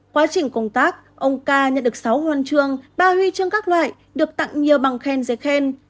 quá trình công tác ông ca nhận được sáu hoàn trương ba huy chương các loại được tặng nhiều bằng khen dưới khen